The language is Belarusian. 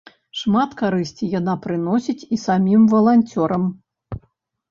Шмат карысці яна прыносіць і самім валанцёрам.